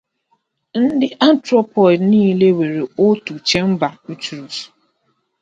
All anthropoids have a single-chambered uterus; tarsiers have a bicornate uterus like the strepsirrhines.